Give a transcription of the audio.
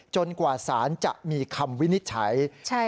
กว่าสารจะมีคำวินิจฉัย